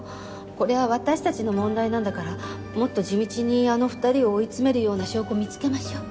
これは私たちの問題なんだからもっと地道にあの２人を追い詰めるような証拠を見つけましょう。